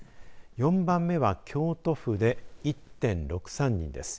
４番目は京都府で１．６３人です。